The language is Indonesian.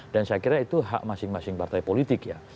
dan saya kira itu hak masing masing partai politik ya